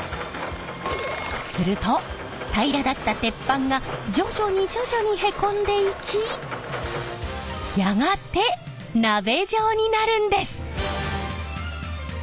すると平らだった鉄板が徐々に徐々にへこんでいきやがて鍋状になるんです！